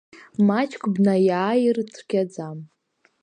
Маҷк бнаиааир цәгьаӡам.